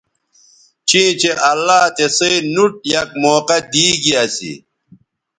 چیں چہء اللہ تسئ نوٹ یک موقعہ دی گی اسی